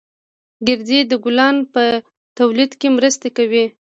گردې د ګلانو په تولید کې مرسته کوي